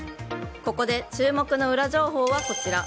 ここで、注目のウラ情報はこちら。